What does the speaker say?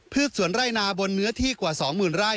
พืชสวนไร่นาบนเนื้อที่กว่า๒หมื่นไร่